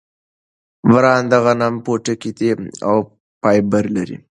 بران د غنم پوټکی دی او فایبر لري.